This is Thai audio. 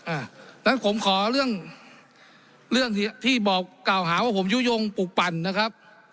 อันนั้นผมขอเรื่องเรื่องที่บอกกล่าวหาว่าผมยุโยงปลูกปั่นนะครับ